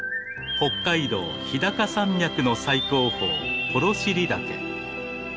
北海道日高山脈の最高峰幌尻岳。